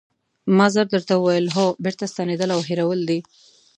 ما ژر درته وویل: هو بېرته ستنېدل او هېرول دي.